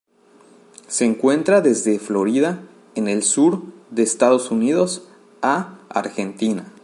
Se encuentra desde Florida en el sur de Estados Unidos a Argentina.